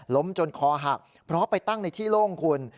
จนคอหักเพราะไปตั้งในที่โล่งคุณ